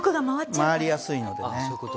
回りやすいのでね。